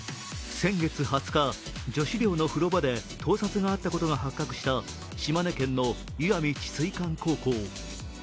先月２０日、女子寮の風呂場で盗撮があったことが発覚した島根県の石見智翠館高校。